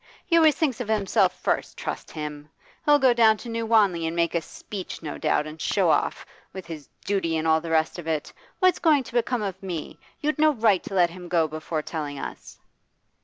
He always thinks of himself first, trust him! He'll go down to New Wanley and make a speech, no doubt, and show off with his duty and all the rest of it! What's going to become of me? You'd no right to let him go before telling us.